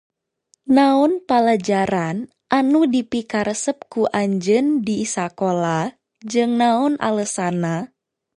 Naon palajaran anu dipikaresep ku anjeun di sakola jeung naon alesanna?